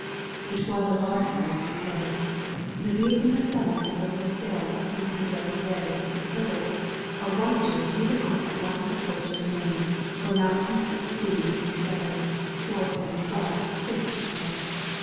It was a large price to pay. The view from the summit of the little hill a few hundred yards away was superb — a wonder even on that wonderful coast of Maine where mountain and sea meet to gether, forest and flood kiss each other.